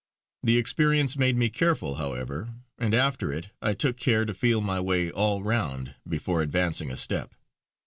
The experience made me careful, however, and after it I took care to feel my way all round before advancing a step.